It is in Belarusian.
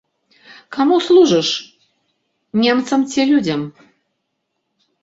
Каму служыш, немцам ці людзям?